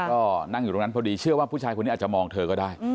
ก็นั่งอยู่ตรงนั้นพอดีเชื่อว่าผู้ชายคนนี้อาจจะมองเธอก็ได้